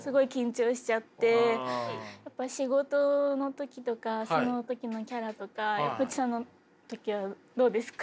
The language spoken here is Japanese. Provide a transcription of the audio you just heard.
仕事の時とかその時のキャラとかロッチさんの時はどうですか？